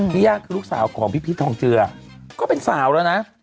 ย่างคือลูกสาวของพี่พีชทองเจือก็เป็นสาวแล้วนะ